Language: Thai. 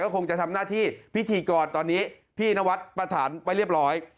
คงจะทำหน้าที่พิธีกรตอนนี้พี่นวัดประฐานไว้เรียบร้อย